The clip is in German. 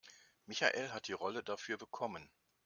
Michael hat die Rolle dafür bekommen.